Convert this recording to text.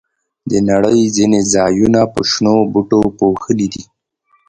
د نړۍ ځینې ځایونه په شنو بوټو پوښلي دي.